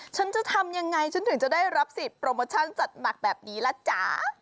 ฉันจะทำยังไงฉันถึงจะได้รับสิทธิโปรโมชั่นจัดหนักแบบนี้ล่ะจ๊ะ